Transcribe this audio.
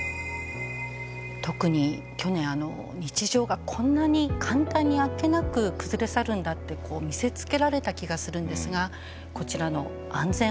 特に去年あの日常がこんなに簡単にあっけなく崩れ去るんだってこう見せつけられた気がするんですがこちらの安全保障。